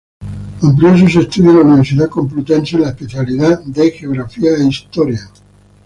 Amplió sus estudios en la Universidad Complutense, en la especialidad de Geografía e Historia.